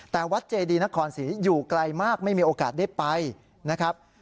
แต่วัดเจดีนครศรีอยู่ไกลมากไม่มีโอกาสได้ไปนะครับ